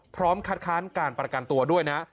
พร้อมคัดค้านการประกันตัวด้วยนะ